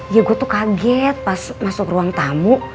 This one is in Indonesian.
ya gue tuh kaget pas masuk ruang tamu